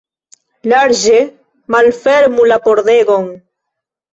Larĝe malfermu la pordegon!